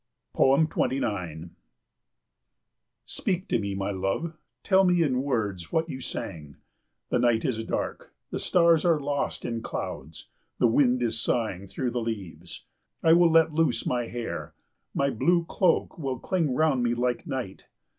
29 Speak to me, my love! Tell me in words what you sang. The night is dark. The stars are lost in clouds. The wind is sighing through the leaves. I will let loose my hair. My blue cloak will cling round me like night.